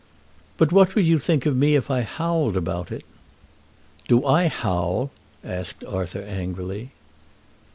"But what would you think of me if I howled about it?" "Do I howl?" asked Arthur angrily.